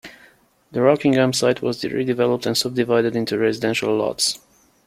The Rockingham site was redeveloped and sub-divided into residential lots.